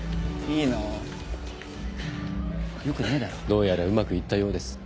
どうやらうまくいったようです。